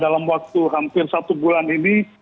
dalam waktu hampir satu bulan ini